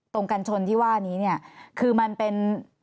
ตรงกันชนที่ว่านี้คือมันเป็น